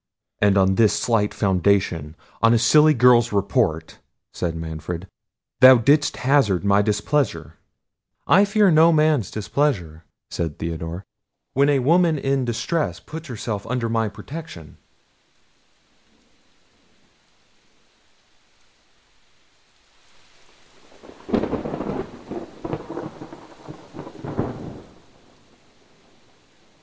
"And on this slight foundation, on a silly girl's report," said Manfred, "thou didst hazard my displeasure?" "I fear no man's displeasure," said Theodore, "when a woman in distress puts herself under my protection."